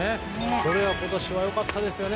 それが今年は良かったですよね。